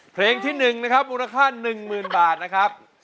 เพลงที่๑มูลค่า๑หมื่นบาทนะครับ